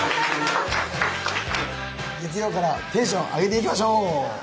月曜からテンション上げていきましょう！